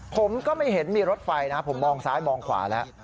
ผมก็ไม่เห็นมีรถไฟนะผมมองซ้ายมองขวาแล้ว